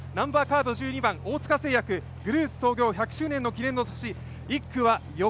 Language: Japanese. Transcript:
１２番の大塚製薬、グループ創業１００周年記念の年。